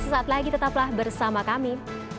sesaat lagi tetaplah bersama kami